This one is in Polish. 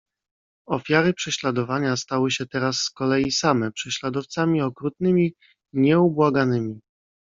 "Ofiary prześladowania stały się teraz z kolei same prześladowcami okrutnymi, nieubłaganymi."